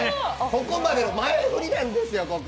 ここまでは前振りなんですよ。